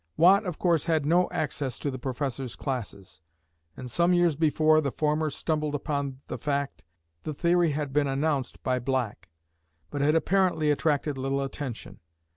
Watt of course had no access to the Professor's classes, and some years before the former stumbled upon the fact, the theory had been announced by Black, but had apparently attracted little attention.